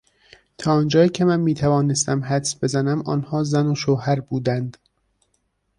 تا آنجایی که من میتوانستم حدس بزنم آنها زن و شوهر بودند.